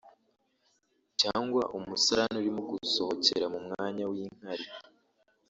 cyangwa umusarane urimo gusohokera mu mwanya w’inkari